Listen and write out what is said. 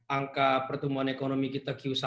angka pertumbuhan ekonomi kita q satu